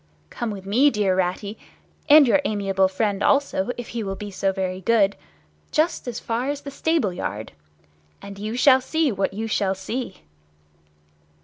Come with me, dear Ratty, and your amiable friend also, if he will be so very good, just as far as the stable yard, and you shall see what you shall see!"